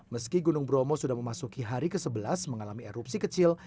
meski gunung bromo sudah memasuki hari ke sebelas mengalami erupsi kecil